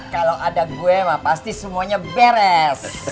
kalau ada gue mah pasti semuanya beres